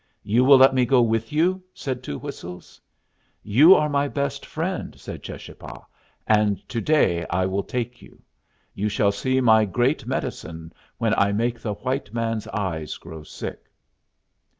"You will let me go with you?" said Two Whistles. "You are my best friend," said Cheschapah, "and to day I will take you. You shall see my great medicine when I make the white man's eyes grow sick."